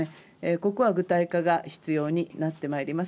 ここは具体化が必要になってまいります。